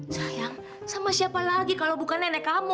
sayang sama siapa lagi kalau bukan nenek kamu